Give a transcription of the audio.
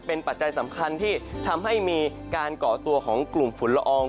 เป็นปัจจัยสำคัญที่ทำให้มีการก่อตัวของกลุ่มฝุ่นละออง